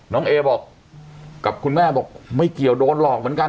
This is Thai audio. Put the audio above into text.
เอบอกกับคุณแม่บอกไม่เกี่ยวโดนหลอกเหมือนกัน